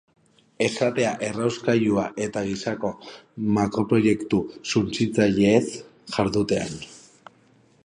Esatea errauskailua eta gisako makroproiektu suntsitzaileez jardutean.